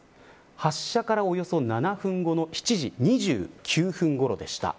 発射からおよそ７分後の７時２９分ごろでした。